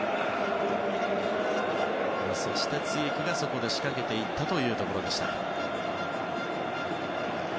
ツィエクがそこで仕掛けていったというところでした。